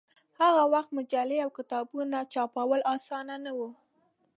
هغه وخت مجلې او کتابونه چاپول اسان نه و.